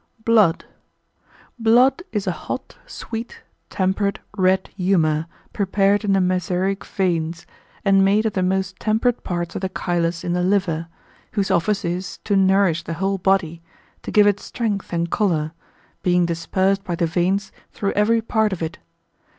Blood.] Blood is a hot, sweet, temperate, red humour, prepared in the mesaraic veins, and made of the most temperate parts of the chylus in the liver, whose office is to nourish the whole body, to give it strength and colour, being dispersed by the veins through every part of it.